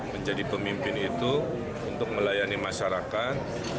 menjadi pemimpin itu untuk melayani masyarakat